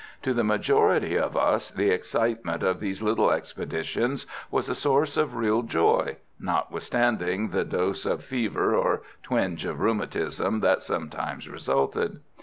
To the majority of us the excitement of these little expeditions was a source of real joy, notwithstanding the dose of fever or twinge of rheumatism that sometimes resulted.